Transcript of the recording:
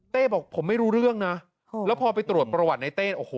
บอกผมไม่รู้เรื่องนะแล้วพอไปตรวจประวัติในเต้โอ้โห